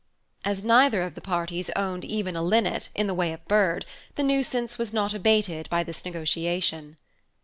As neither of the parties owned even a linnet, in the way of bird, the nuisance was not abated by this negotiation.